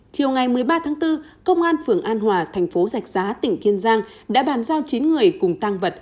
chiều ngày một mươi ba tháng bốn công an phường an hòa thành phố giạch giá tỉnh kiên giang đã bàn giao chín người cùng tăng vật